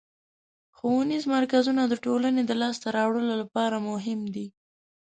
ښوونیز مرکزونه د ټولنې د لاسته راوړنو لپاره مهم دي.